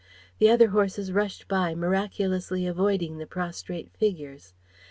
The other horses rushed by, miraculously avoiding the prostrate figures.